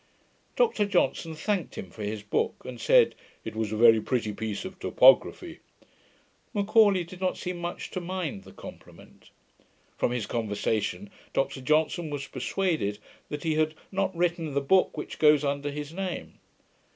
Dr Johnson thanked him for his book, and said 'it was a very pretty piece of topography'. M'Aulay did not seem much to mind the compliment. From his conversation, Dr Johnson was persuaded that he had not written the book which goes under his name.